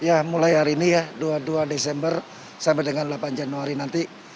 ya mulai hari ini ya dua puluh dua desember sampai dengan delapan januari nanti